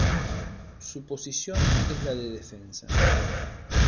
Su posición es la de defensa.